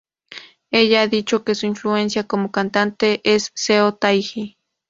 Ella ha dicho que su influencia como cantantes es Seo Taiji.